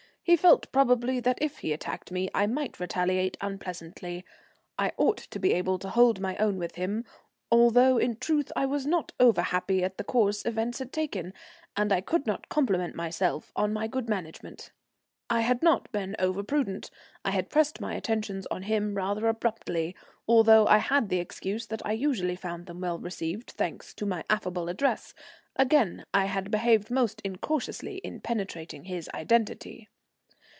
He felt, probably, that if he attacked me I might retaliate unpleasantly. I ought to be able to hold my own with him, although in truth I was not over happy at the course events had taken, and I could not compliment myself on my good management. I had not been overprudent; I had pressed my attentions on him rather abruptly, although I had the excuse that I usually found them well received, thanks to my affable address; again I had behaved most incautiously in penetrating his identity.